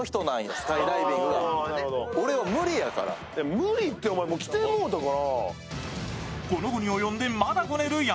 無理って、もう来てもうたから。